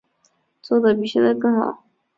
做得比现在更好